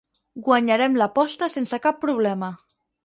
Guanyarem l'aposta sense cap problema”.